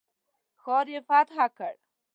ښار یې فتح کړ.